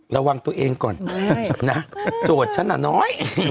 ระวังตัวเองก่อนนะโจทย์ฉันน่ะน้อย